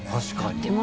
確かに。